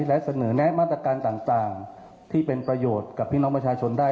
และเสนอแนะมาตรการต่างที่เป็นประโยชน์กับพี่น้องประชาชนได้